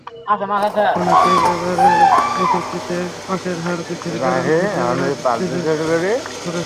অনেকেই এবারে এইচএসসিতে পাসের হার বৃদ্ধির কারণ হিসেবে রাজনৈতিক স্থিতিশীল পরিবেশের কথা বলেছেন।